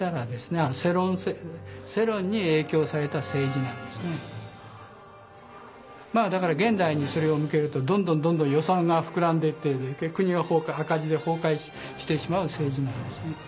何でも私はやりますけれどもだから現代にそれを向けるとどんどんどんどん予算が膨らんでいって国が赤字で崩壊してしまう政治なんですね。